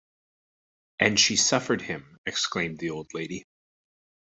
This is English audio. ‘And she suffered him!’ exclaimed the old lady.